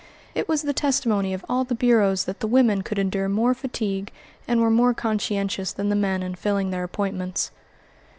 It was the testimony of all the bureaus that the women could endure more fatigue and were more conscientious than the men in filling their appointments.